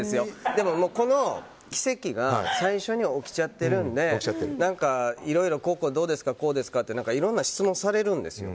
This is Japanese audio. でも、この奇跡が最初に起きちゃってるんで何か、いろいろここはどうですかこうですかっていろんな質問されるんですよ。